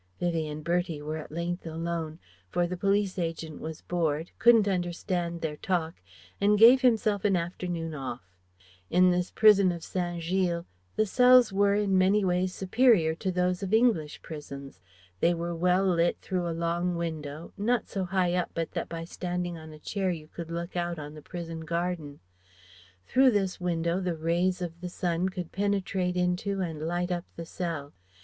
Vivie and Bertie were at length alone, for the police agent was bored, couldn't understand their talk, and gave himself an afternoon off. In this prison of Saint Gilles, the cells were in many ways superior to those of English prisons. They were well lit through a long window, not so high up but that by standing on a chair you could look out on the prison garden. Through this window the rays of the sun could penetrate into and light up the cell.